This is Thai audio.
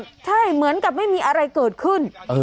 ใช่เหมือนกับไม่มีอะไรเกิดขึ้น